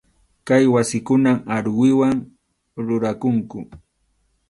Kay wasikunan aruwiwan rurakunku.